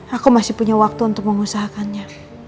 aku masih punya waktu untuk mengusahakannya